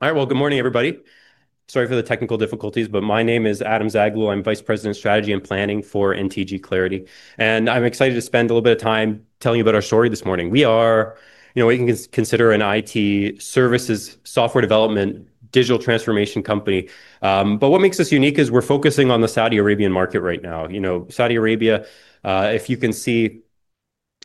All right. Good morning, everybody. Sorry for the technical difficulties, but my name is Adam Zaghloul. I'm Vice President of Strategy and Planning for NTG Clarity I'm excited to spend a little bit of time telling you about our story this morning. We are, you know, what you can consider an IT services, software development, digital transformation company. What makes us unique is we're focusing on the Saudi Arabian market right now. Saudi Arabia, if you can see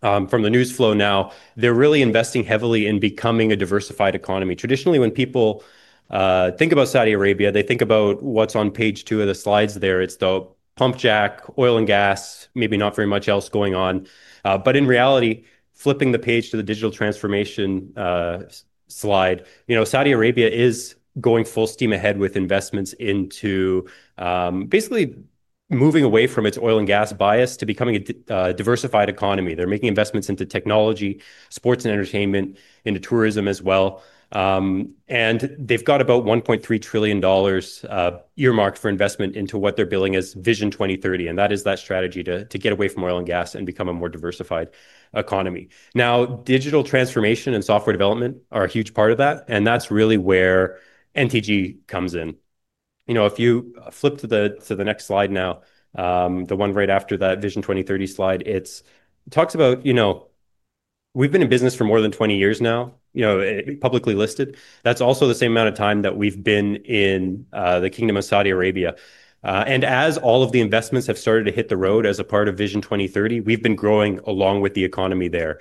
from the news flow now, they're really investing heavily in becoming a diversified economy. Traditionally, when people think about Saudi Arabia, they think about what's on page two of the slides there. It's the pumpjack, oil and gas, maybe not very much else going on. In reality, flipping the page to the digital transformation slide, Saudi Arabia is going full steam ahead with investments into basically moving away from its oil and gas bias to becoming a diversified economy. They're making investments into technology, sports, and entertainment, into tourism as well. They've got about $1.3 trillion earmarked for investment into what they're billing as Vision 2030. That is that strategy to get away from oil and gas and become a more diversified economy. Now, digital transformation and software development are a huge part of that. That's really where NTG comes in. If you flip to the next slide now, the one right after that Vision 2030 slide, it talks about we've been in business for more than 20 years now, publicly listed. That's also the same amount of time that we've been in the Kingdom of Saudi Arabia. As all of the investments have started to hit the road as a part of Vision 2030, we've been growing along with the economy there.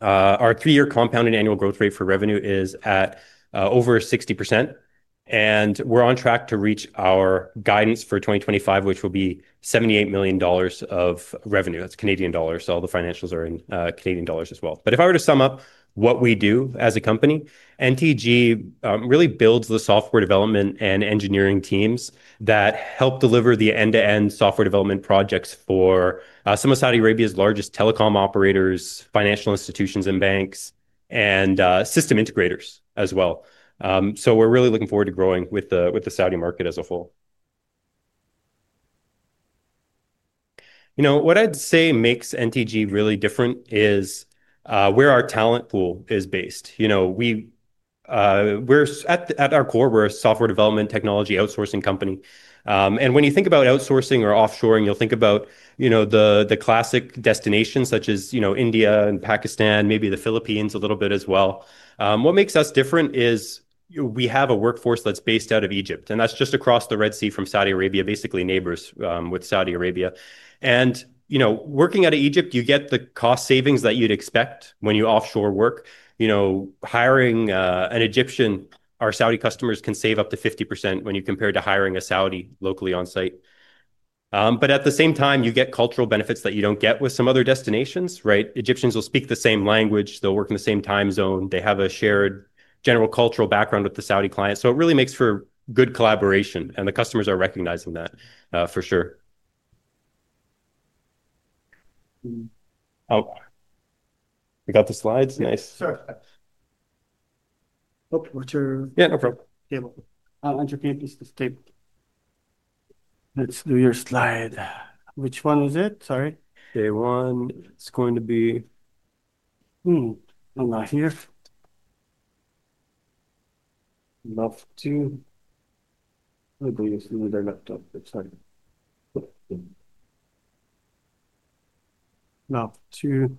Our three-year compounded annual growth rate for revenue is at over 60%. We're on track to reach our guidance for 2025, which will be 78 million dollars of revenue. That's Canadian dollars. All the financials are in Canadian dollars as well. If I were to sum up what we do as a company, NTG really builds the software development and engineering teams that help deliver the end-to-end software development projects for some of Saudi Arabia's largest telecom operators, financial institutions, and banks, and system integrators as well. We're really looking forward to growing with the Saudi market as a whole. What I'd say makes NTG really different is where our talent pool is based. At our core, we're a software development technology outsourcing company. When you think about outsourcing or offshoring, you'll think about the classic destinations such as India and Pakistan, maybe the Philippines a little bit as well. What makes us different is we have a workforce that's based out of Egypt. That's just across the Red Sea from Saudi Arabia, basically neighbors with Saudi Arabia. Working out of Egypt, you get the cost savings that you'd expect when you offshore work. Hiring an Egyptian, our Saudi customers can save up to 50% when you compare to hiring a Saudi locally on site. At the same time, you get cultural benefits that you don't get with some other destinations, right? Egyptians will speak the same language, they'll work in the same time zone, and they have a shared general cultural background with the Saudi clients. It really makes for good collaboration, and the customers are recognizing that for sure. Oh, I got the slides. Nice. Sure. What's your? Yeah, no problem. I'll enter campus this table. Let's do your slide. Which one is it? Sorry. Day one. It's going to be. Hang on. I believe it's in their laptop. Love to.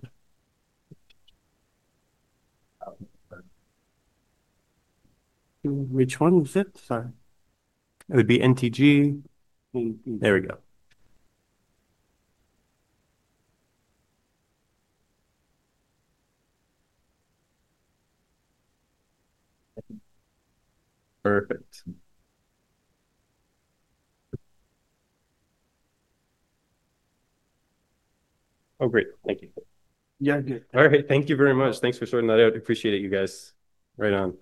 Which one was it? Sorry. It would be NTG. There we go. Perfect. Oh, great. Thank you. Yeah, good. All right. Thank you very much. Thanks for sorting that out. Appreciate it, you guys. Right on.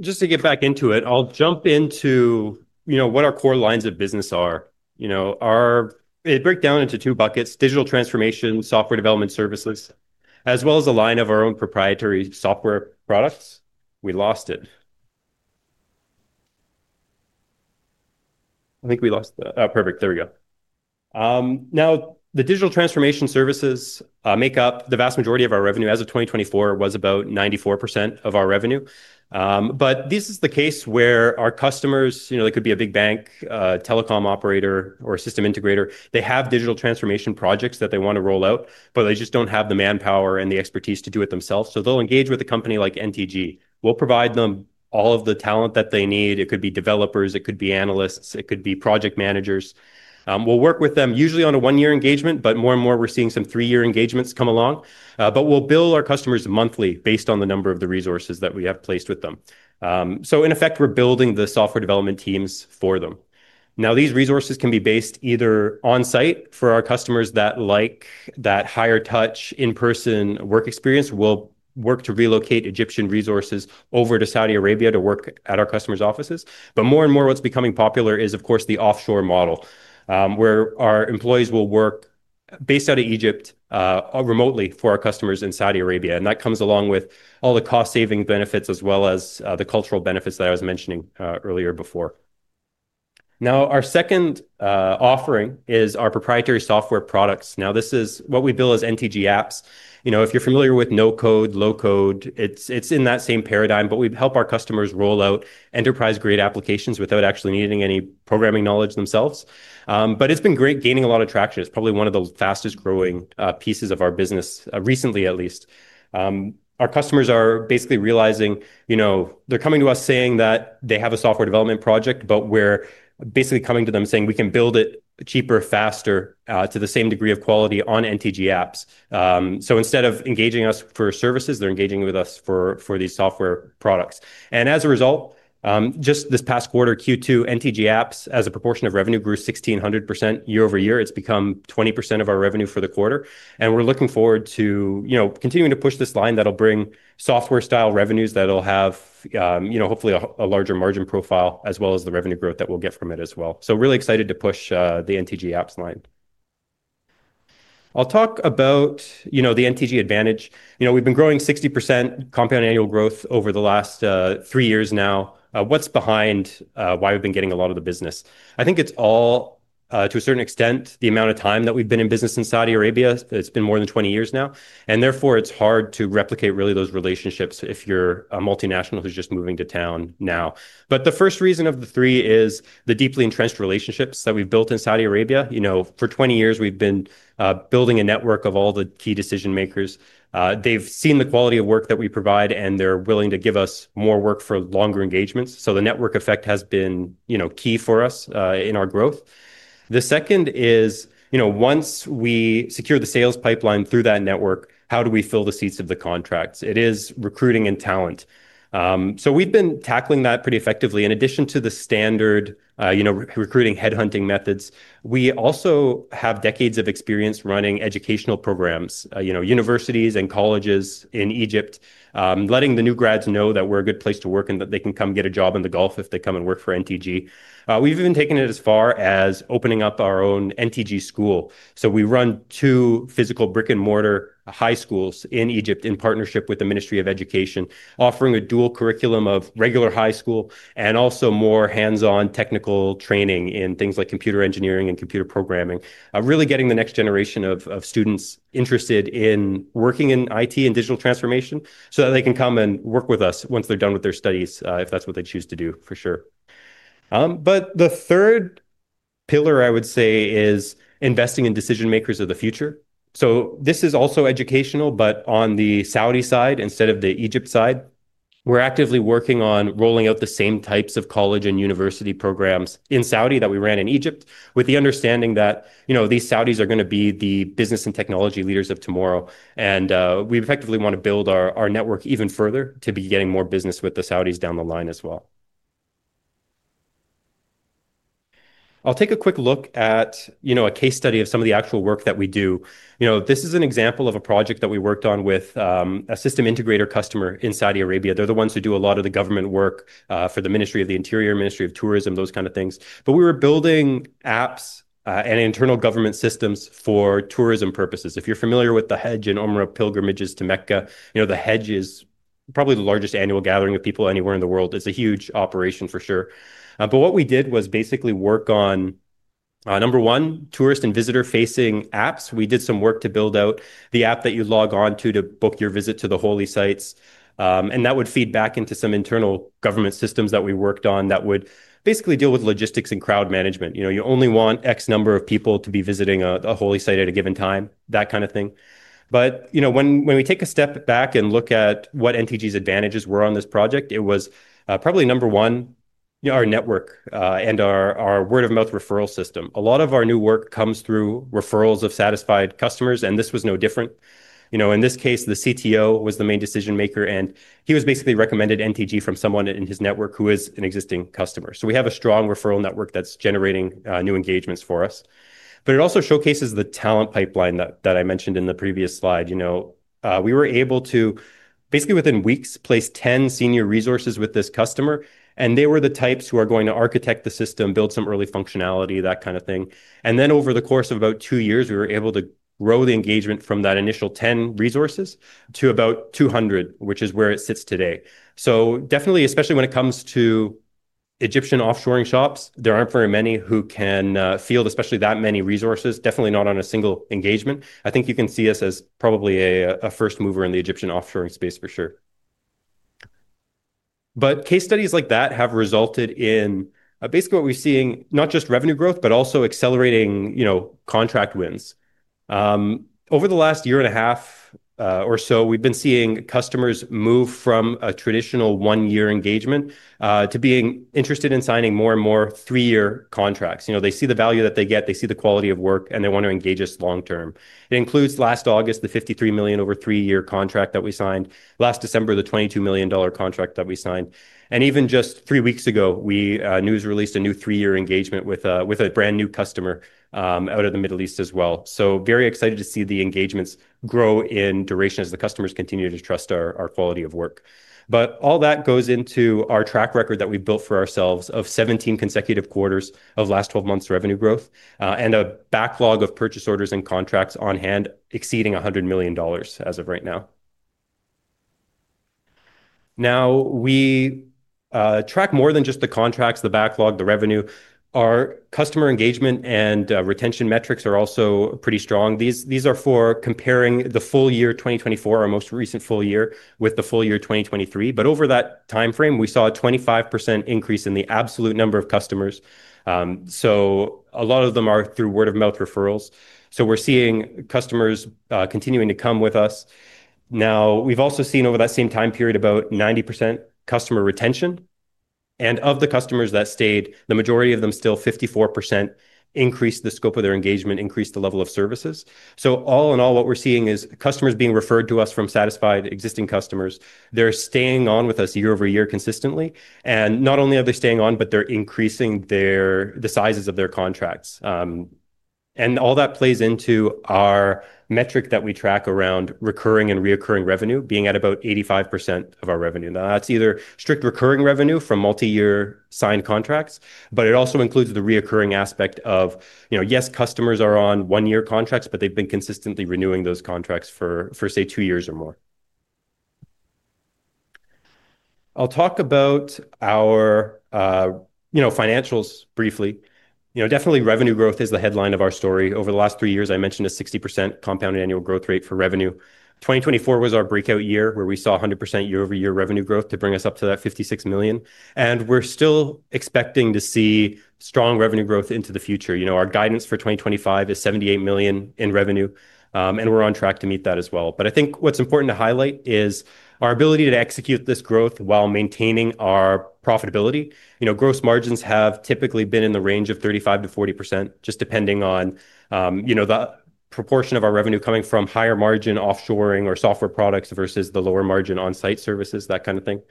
Just to get back into it, I'll jump into, you know, what our core lines of business are. You know, it breaks down into two buckets: digital transformation, software development services, as well as a line of our own proprietary software products. Now, the digital transformation services make up the vast majority of our revenue. As of 2024, it was about 94% of our revenue. This is the case where our customers, you know, they could be a big bank, a telecom operator, or a system integrator. They have digital transformation projects that they want to roll out, but they just don't have the manpower and the expertise to do it themselves. They'll engage with a company like NTG Clarity. We'll provide them all of the talent that they need. It could be developers, analysts, or project managers. We'll work with them usually on a one-year engagement. More and more, we're seeing some three-year engagements come along. We'll bill our customers monthly based on the number of the resources that we have placed with them. In effect, we're building the software development teams for them. These resources can be based either on-site for our customers that like that higher touch in-person work experience. We'll work to relocate Egyptian resources over to Saudi Arabia to work at our customers' offices. More and more, what's becoming popular is, of course, the offshore model, where our employees will work based out of Egypt remotely for our customers in Saudi Arabia. That comes along with all the cost-saving benefits, as well as the cultural benefits that I was mentioning earlier before. Our second offering is our proprietary software products. This is what we bill as NTG Apps. You know, if you're familiar with no-code/low-code, it's in that same paradigm. We help our customers roll out enterprise-grade applications without actually needing any programming knowledge themselves. It's been great gaining a lot of traction. It's probably one of the fastest growing pieces of our business recently, at least. Our customers are basically realizing, you know, they're coming to us saying that they have a software development project, but we're basically coming to them saying we can build it cheaper, faster, to the same degree of quality on NTG Apps. Instead of engaging us for services, they're engaging with us for these software products. As a result, just this past quarter, Q2, NTG Apps as a proportion of revenue grew 1,600% year over year. It's become 20% of our revenue for the quarter. We're looking forward to continuing to push this line that'll bring software-style revenues that'll have, hopefully, a larger margin profile, as well as the revenue growth that we'll get from it as well. Really excited to push the NTG Apps line. I'll talk about the NTG advantage. We've been growing 60% compound annual growth over the last three years now. What's behind why we've been getting a lot of the business? I think it's all, to a certain extent, the amount of time that we've been in business in Saudi Arabia. It's been more than 20 years now. Therefore, it's hard to replicate really those relationships if you're a multinational who's just moving to town now. The first reason of the three is the deeply entrenched relationships that we've built in Saudi Arabia. For 20 years, we've been building a network of all the key decision makers. They've seen the quality of work that we provide, and they're willing to give us more work for longer engagements. The network effect has been key for us in our growth. The second is, once we secure the sales pipeline through that network, how do we fill the seats of the contracts? It is recruiting and talent. We've been tackling that pretty effectively. In addition to the standard recruiting headhunting methods, we also have decades of experience running educational programs, universities and colleges in Egypt, letting the new grads know that we're a good place to work and that they can come get a job in the Gulf if they come and work for NTG. We've even taken it as far as opening up our own NTG School. We run two physical brick-and-mortar high schools in Egypt in partnership with the Ministry of Education, offering a dual curriculum of regular high school and also more hands-on technical training in things like computer engineering and computer programming, really getting the next generation of students interested in working in IT and digital transformation so that they can come and work with us once they're done with their studies, if that's what they choose to do, for sure. The third pillar, I would say, is investing in decision makers of the future. This is also educational, but on the Saudi side instead of the Egypt side. We're actively working on rolling out the same types of college and university programs in Saudi that we ran in Egypt, with the understanding that these Saudis are going to be the business and technology leaders of tomorrow. We effectively want to build our network even further to be getting more business with the Saudis down the line as well. I'll take a quick look at a case study of some of the actual work that we do. This is an example of a project that we worked on with a system integrator customer in Saudi Arabia. They're the ones who do a lot of the government work for the Ministry of the Interior, Ministry of Tourism, those kinds of things. We were building apps and internal government systems for tourism purposes. If you're familiar with the Hajj and Umrah pilgrimages to Mecca, the Hajj is probably the largest annual gathering of people anywhere in the world. It's a huge operation for sure. What we did was basically work on, number one, tourist and visitor-facing apps. We did some work to build out the app that you log on to to book your visit to the holy sites. That would feed back into some internal government systems that we worked on that would basically deal with logistics and crowd management. You only want X number of people to be visiting a holy site at a given time, that kind of thing. When we take a step back and look at what NTG's advantages were on this project, it was probably number one, our network and our word-of-mouth referral system. A lot of our new work comes through referrals of satisfied customers, and this was no different. In this case, the CTO was the main decision maker, and he was basically recommended NTG from someone in his network who is an existing customer. We have a strong referral network that's generating new engagements for us. It also showcases the talent pipeline that I mentioned in the previous slide. We were able to basically, within weeks, place 10 senior resources with this customer, and they were the types who are going to architect the system, build some early functionality, that kind of thing. Over the course of about two years, we were able to grow the engagement from that initial 10 resources to about 200, which is where it sits today. Definitely, especially when it comes to Egyptian offshore software development shops, there aren't very many who can field especially that many resources, definitely not on a single engagement. I think you can see us as probably a first mover in the Egyptian offshoring space for sure. Case studies like that have resulted in basically what we're seeing, not just revenue growth, but also accelerating contract wins. Over the last year and a half or so, we've been seeing customers move from a traditional one-year engagement to being interested in signing more and more three-year contracts. They see the value that they get, they see the quality of work, and they want to engage us long term. It includes last August, the 53 million over three-year contract that we signed, last December, the 22 million dollar contract that we signed. Even just three weeks ago, we news released a new three-year engagement with a brand new customer out of the Middle East as well. Very excited to see the engagements grow in duration as the customers continue to trust our quality of work. All that goes into our track record that we've built for ourselves of 17 consecutive quarters of last 12 months' revenue growth and a backlog of purchase orders and contracts on hand exceeding 100 million dollars as of right now. Now, we track more than just the contracts, the backlog, the revenue. Our customer engagement and retention metrics are also pretty strong. These are for comparing the full year 2024, our most recent full year, with the full year 2023. Over that timeframe, we saw a 25% increase in the absolute number of customers. A lot of them are through word-of-mouth referrals. We're seeing customers continuing to come with us. We've also seen over that same time period about 90% customer retention. Of the customers that stayed, the majority of them, still 54%, increased the scope of their engagement, increased the level of services. All in all, what we're seeing is customers being referred to us from satisfied existing customers. They're staying on with us year over year consistently. Not only are they staying on, but they're increasing the sizes of their contracts. All that plays into our metric that we track around recurring and reoccurring revenue, being at about 85% of our revenue. Now, that's either strict recurring revenue from multi-year signed contracts, but it also includes the recurring aspect of, you know, yes, customers are on one-year contracts, but they've been consistently renewing those contracts for, say, two years or more. I'll talk about our financials briefly. Definitely revenue growth is the headline of our story. Over the last three years, I mentioned a 60% compounded annual growth rate for revenue. 2024 was our breakout year where we saw 100% year-over-year revenue growth to bring us up to that 56 million. We're still expecting to see strong revenue growth into the future. Our guidance for 2025 is 78 million in revenue, and we're on track to meet that as well. I think what's important to highlight is our ability to execute this growth while maintaining our profitability. Gross margins have typically been in the range of 35%-40%, just depending on the proportion of our revenue coming from higher margin offshoring or software products versus the lower margin on-site services, that kind of thing.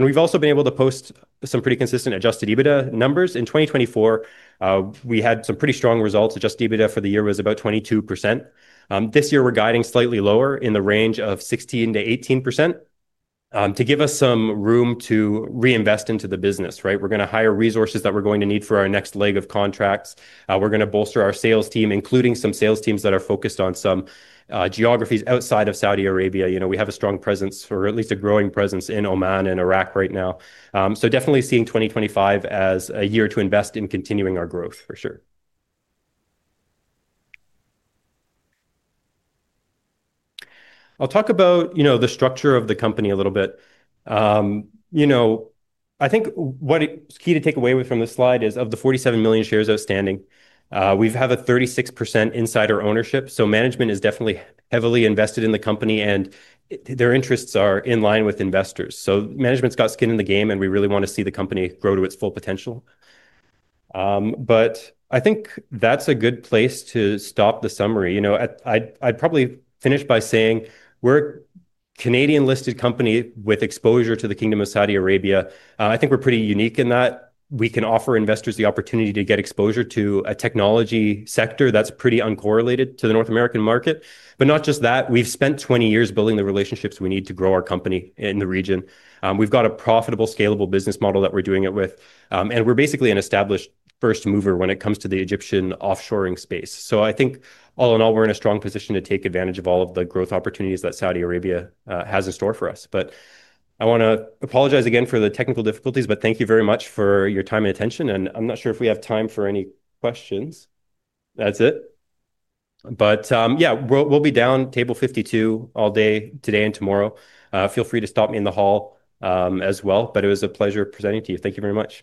We've also been able to post some pretty consistent adjusted EBITDA numbers. In 2024, we had some pretty strong results. Adjusted EBITDA for the year was about 22%. This year, we're guiding slightly lower in the range of 16% 18% to give us some room to reinvest into the business, right? We're going to hire resources that we're going to need for our next leg of contracts. We're going to bolster our sales team, including some sales teams that are focused on some geographies outside of Saudi Arabia. We have a strong presence or at least a growing presence in Oman and Iraq right now. Definitely seeing 2025 as a year to invest in continuing our growth for sure. I'll talk about the structure of the company a little bit. I think what is key to take away from this slide is of the 47 million shares outstanding, we have a 36% insider ownership. Management is definitely heavily invested in the company, and their interests are in line with investors. Management's got skin in the game, and we really want to see the company grow to its full potential. I think that's a good place to stop the summary. I'd probably finish by saying we're a Canadian-listed company with exposure to the Kingdom of Saudi Arabia. I think we're pretty unique in that we can offer investors the opportunity to get exposure to a technology sector that's pretty uncorrelated to the North American market. Not just that, we've spent 20 years building the relationships we need to grow our company in the region. We've got a profitable, scalable business model that we're doing it with. We're basically an established first mover when it comes to the Egyptian offshore software development space. I think all in all, we're in a strong position to take advantage of all of the growth opportunities that Saudi Arabia has in store for us. I want to apologize again for the technical difficulties, but thank you very much for your time and attention. I'm not sure if we have time for any questions. That's it. We'll be down at table 52 all day today and tomorrow. Feel free to stop me in the hall as well. It was a pleasure presenting to you. Thank you very much.